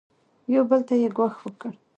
یو بل ته یې ګواښ وکړ.